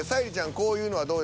こういうのはどうですか？